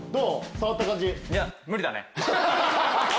触った感じ。